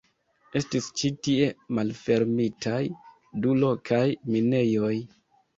Estis ĉi tie malfermitaj du lokaj minejoj.